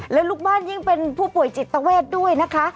แล้วลูกบ้านยิ่งเป็นผู้ป่วยจิตเวทด้วยนะคะ